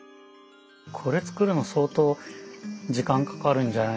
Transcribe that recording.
これ作るの相当時間かかるんじゃない？